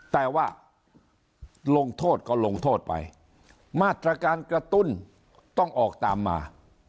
แต่ว่าลงโทษก็ลงโทษไปมาตรการกระตุ้นต้องออกตามมา